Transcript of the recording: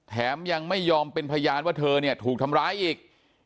แถมยังไม่ยอมเป็นพยานว่าเธอเนี่ยถูกทำร้ายอีก